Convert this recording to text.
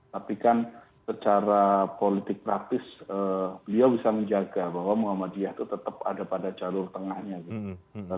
tapi kan secara politik praktis beliau bisa menjaga bahwa muhammadiyah itu tetap ada pada jalur tengahnya gitu